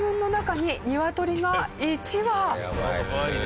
やばいね。